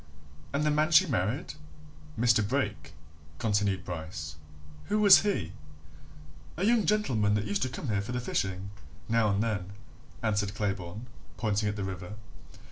"And the man she married? Mr. Brake," continued Bryce. "Who was he?" "A young gentleman that used to come here for the fishing, now and then," answered Claybourne, pointing at the river.